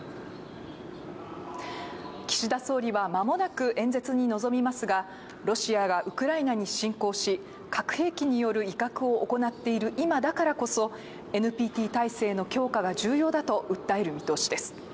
岸田総理はまもなく演説に臨みますがロシアがウクライナに侵攻し核兵器による威嚇を行っている今だからこそＮＰＴ体制の強化が重要だと訴える見通しです。